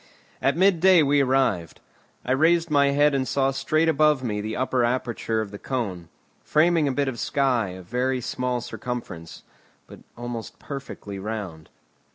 At mid day we arrived. I raised my head and saw straight above me the upper aperture of the cone, framing a bit of sky of very small circumference, but almost perfectly round.